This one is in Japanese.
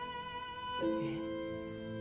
えっ？